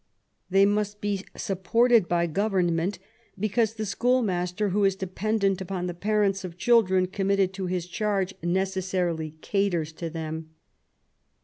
They must be supported by Government, because the school master who is dependent upon the parents of children committed to his charge, necessarily caters to them.